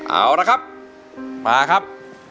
เอาละครับมาครับ